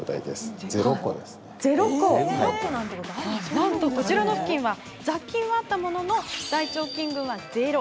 なんと、こちらのふきんは雑菌はあったものの大腸菌群はゼロ。